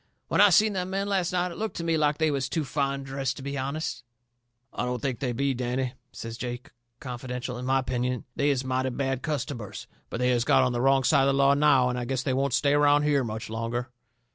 "When I seen them men last night it looked to me like they was too fine dressed to be honest." "I don't think they be, Danny," says Jake, confidential. "In my opinion they is mighty bad customers. But they has got on the wrong side of the law now, and I guess they won't stay around here much longer."